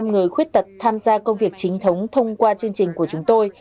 chín mươi một người khuếch tật tham gia công việc chính thống thông qua chương trình của chúng tôi